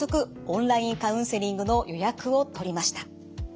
オンラインカウンセリングの予約を取りました。